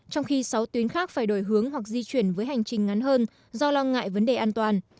trong khi sáu tuyến khác phải đổi hướng hoặc di chuyển với hành trình ngắn hơn do lo ngại vấn đề an toàn